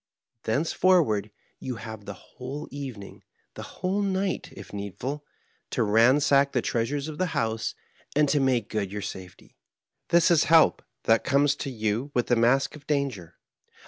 Thence forward you have the whole evening — ^the whole night, if needful — to ransack the treasures of the house and to Digitized by VjOOQIC MAEEHEIM. 77 make good your safety. This is help that comes to you with the mask of danger.